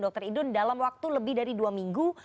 dr idun dalam waktu lebih dari dua minggu